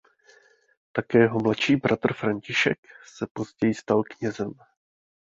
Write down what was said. Také jeho mladší bratr František se později stal knězem.